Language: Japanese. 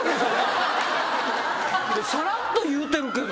さらっと言うてるけど。